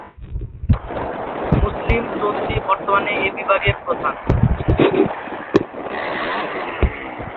মুসলিম চৌধুরী বর্তমানে এ বিভাগের প্রধান।